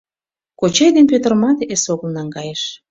Кочай ден Пӧтырымат эсогыл наҥгайыш.